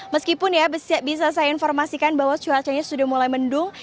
meskipun ya bisa saya informasikan bahwa cuacanya sudah mulai mendung